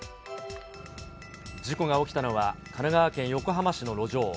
事故が起きたのは神奈川県横浜市の路上。